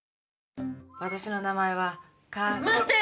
私の名前はか。